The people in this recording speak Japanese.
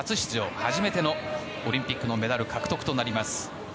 初めてのオリンピックのメダル獲得となります。